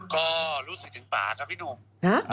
ก็รู้สึกถึงป่าครับพี่หนุ่ม